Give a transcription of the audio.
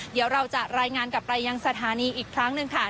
เดี๋ยวเราจะรายงานกลับไปยังสถานีอีกครั้งหนึ่งค่ะ